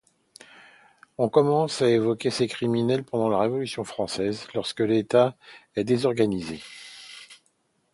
On commence à évoquer ces criminels pendant la Révolution française, lorsque l’État est désorganisé.